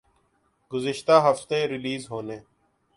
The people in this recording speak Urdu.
گزشتہ ہفتے ریلیز ہونے